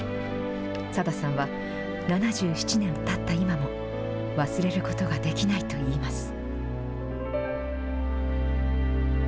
サダさんは、７７年たった今も、忘れることができないといいます。